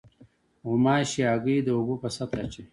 غوماشې هګۍ د اوبو په سطحه اچوي.